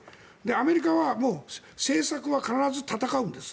アメリカは政策は必ず戦うんです。